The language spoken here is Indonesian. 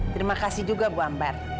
terima kasih juga bu ambar